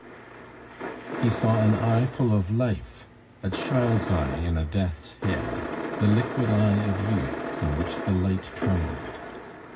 He saw an eye full of life, a child's eye in a death's head, the liquid eye of youth, in which the light trembled.